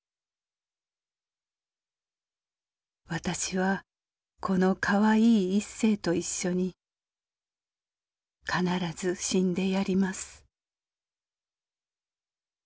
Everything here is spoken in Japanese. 「私はこのカワイイ一政と一緒に必ず死んでやります」。